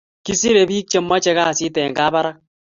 Kisire pik che moche kasit en kabarak